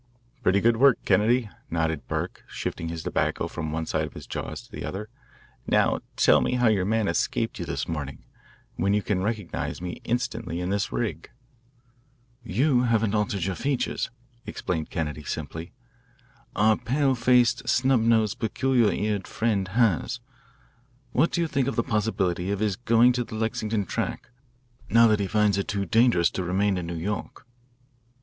"Pretty good work, Kennedy," nodded Burke, shifting his tobacco from one side of his jaws to the other. "Now, tell me how your man escaped you this morning, when you can recognise me instantly in this rig." "You haven't altered your features," explained Kennedy simply. "Our pale faced, snub nosed, peculiar eared friend has. What do you think of the possibility of his going to the Lexington track, now that he finds it too dangerous to remain in New York?"